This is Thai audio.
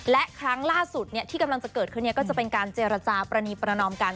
และครั้งล่าสุดที่กำลังจะเกิดขึ้นก็จะเป็นการเจรจาปรณีประนอมกัน